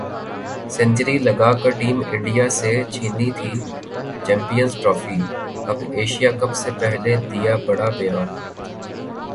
century لگا کر team India سے چھینی تھی چمپئنز ٹرافی ، اب ایشیا کپ سے پہلے دیا بڑا بیان